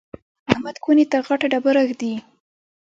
احمد کونې ته غټه ډبره ږدي.